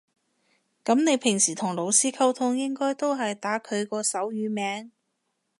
噉你平時同老師溝通應該都係打佢個手語名